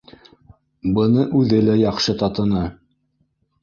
Быны үҙе лә яҡшы татыны